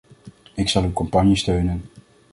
Ik zal uw campagne steunen.